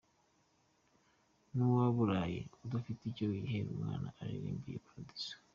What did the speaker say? N’uwaburaye udafite icyo yihera umwana aririmba iyo paradizo.